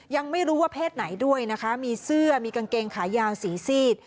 ยังไม่รู้ว่าเพศไหนด้วยนะคะมีเสื้อมีกางเกงขายาวสีซีด